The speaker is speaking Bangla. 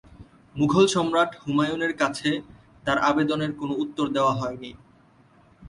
মোগল সম্রাট হুমায়ুনের কাছে তার আবেদনের কোনো উত্তর দেয়া হয়নি।